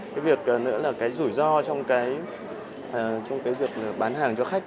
cái việc nữa là cái rủi ro trong cái việc bán hàng cho khách